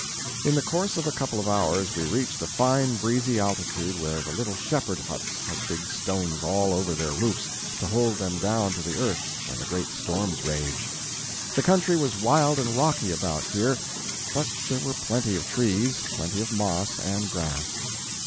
In the course of a couple hours we reached a fine breezy altitude where the little shepherd huts had big stones all over their roofs to hold them down to the earth when the great storms rage. The country was wild and rocky about here, but there were plenty of trees, plenty of moss, and grass.